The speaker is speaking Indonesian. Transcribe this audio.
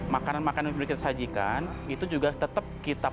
makanan makanan yang kita sajikan itu juga tetap kita pasangkan di dalam